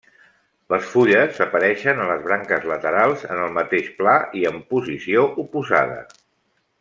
Les fulles apareixen a les branques laterals en el mateix pla i en posició oposada.